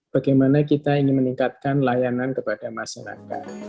bagaimana kita ingin meningkatkan layanan kepada masyarakat